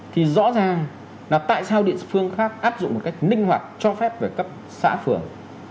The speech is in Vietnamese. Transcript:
thì rõ ràng là tại sao địa phương khác áp dụng một cách linh hoạt cho phép về cấp xã phường